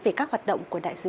về các hoạt động của đại sứ quán